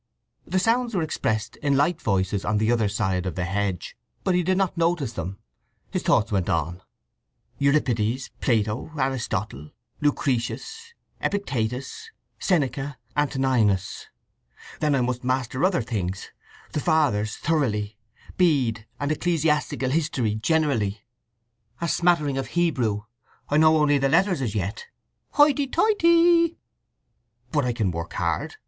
The sounds were expressed in light voices on the other side of the hedge, but he did not notice them. His thoughts went on: "—Euripides, Plato, Aristotle, Lucretius, Epictetus, Seneca, Antoninus. Then I must master other things: the Fathers thoroughly; Bede and ecclesiastical history generally; a smattering of Hebrew—I only know the letters as yet—" "Hoity toity!" "—but I can work hard.